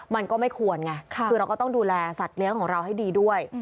มันก็ไม่ควรไงคือเราก็ต้องดูแลสัตว์เลี้ยงของเราให้ดีด้วย